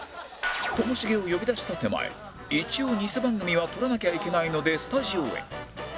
ともしげを呼び出した手前一応偽番組は撮らなきゃいけないのでスタジオへ